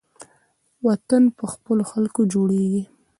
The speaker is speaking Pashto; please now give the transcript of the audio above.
وطن په خپلو خلکو جوړیږي